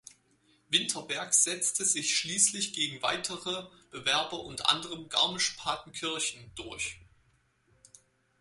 Winterberg setzte sich schließlich gegen weitere Bewerber, unter anderem Garmisch-Partenkirchen, durch.